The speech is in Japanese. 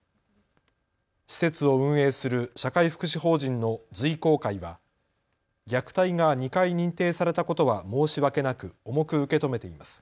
施設を運営する社会福祉法人の瑞光会は虐待が２回認定されたことは申し訳なく重く受け止めています。